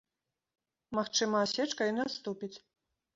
Магчыма, асечка і наступіць.